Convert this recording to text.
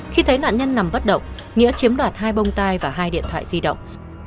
khi thấy nạn nhân nằm bất động nghĩa chiếm đoạt hai bông tai và hai điện thoại di động